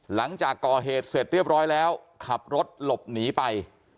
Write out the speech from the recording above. หลังจากก่อเหตุเสร็จเรียบร้อยแล้วขับรถหลบหนีไป